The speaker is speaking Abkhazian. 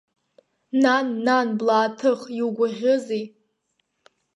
Нан, нан, блааҭых, иугәаӷьызеи?